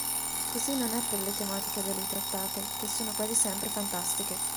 Così non è per le tematiche da lui trattate, che sono quasi sempre fantastiche.